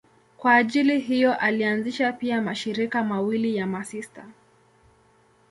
Kwa ajili hiyo alianzisha pia mashirika mawili ya masista.